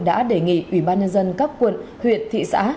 đã đề nghị ủy ban nhân dân các quận huyện thị xã